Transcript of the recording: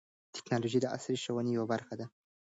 ټیکنالوژي د عصري ښوونې یوه برخه ده.